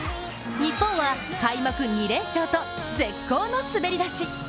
日本は、開幕２連勝と絶好の滑り出し。